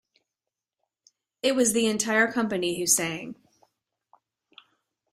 It was the entire company who sang.